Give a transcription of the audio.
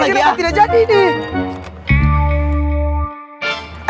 kenapa tidak jadi nih